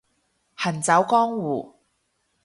行走江湖